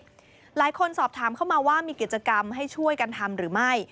หลายคนสอบถามเข้ามาว่ามีกิจกรรมให้ช่วยกันทำหรือไม่